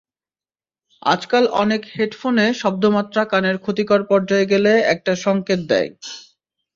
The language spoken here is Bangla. আজকাল অনেক হেডফোনে শব্দমাত্রা কানের ক্ষতিকর পর্যায়ে গেলে একটা সংকেত দেয়।